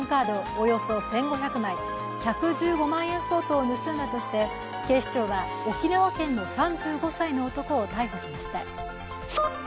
およそ１５００枚１１５万円相当を盗んだとして警視庁は、沖縄県の３５歳の男を逮捕しました。